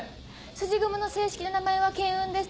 すじ雲の正式な名前は巻雲です